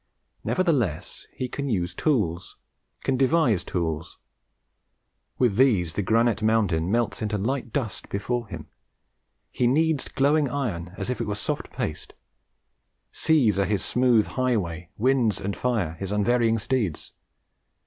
Nevertheless he can use tools, can devise tools: with these the granite mountain melts into light dust before him; he kneads glowing iron as if it were soft paste; seas are his smooth highway, winds and fire his unvarying steeds.